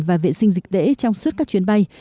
và vệ sinh dịch tễ trong suốt các chuyến bay